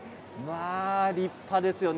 立派ですよね。